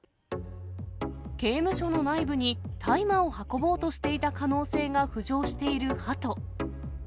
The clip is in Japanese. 刑務所の内部に大麻を運ぼうとしていた可能性が浮上しているハト。